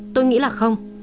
tôi nghĩ là không